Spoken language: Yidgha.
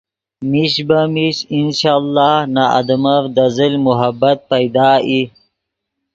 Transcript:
میش بہ میش انشاء اللہ نے آدمف دے زل محبت پیدا ای